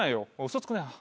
嘘つくなよ。